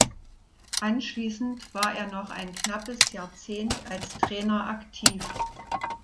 Anschließend war er noch ein knappes Jahrzehnt als Trainer aktiv.